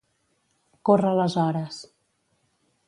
Córrer les hores.